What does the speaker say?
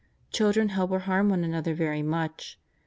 Children help or harm one another very much.